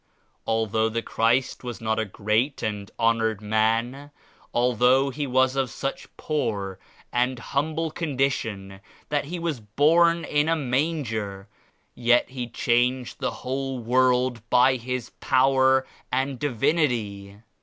Although the Christ was not a great and honored man; although He was of such poor and humble condition that He was born in a manger, yet He changed the whole world by his Power and Divinity.